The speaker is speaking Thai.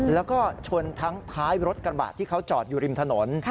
แล้วก็ชนทั้งท้ายรถกระบะที่เขาจอดอยู่ริมถนน